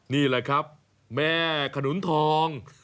นี่แหละครับแม่ขนุนทอง